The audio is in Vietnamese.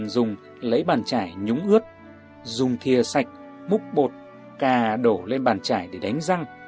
cà tím cần dùng lấy bàn chải nhúng ướt dùng thia sạch múc bột cà đổ lên bàn chải để đánh răng